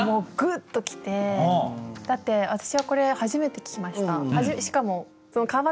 だって私はこれ初めて聞きました。